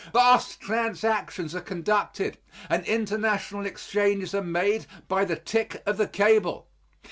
Vast transactions are conducted and international exchanges are made by the tick of the cable.